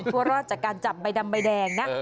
ว่ารอดจากการจับใบดำใบแดงนะ